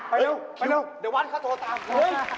ไปเร็วเดี๋ยววันเขาโทรตาม